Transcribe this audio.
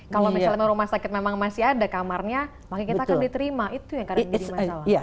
kalau misalnya rumah sakit memang masih ada kamarnya maka kita akan diterima itu yang kadang jadi masalah